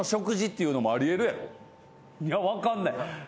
いや分かんない。